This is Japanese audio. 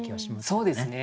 そうですね。